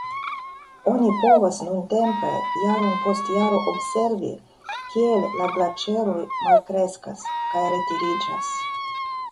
Oni povas nuntempe jaron post jaro observi, kiel la glaĉeroj malkreskas kaj retiriĝas.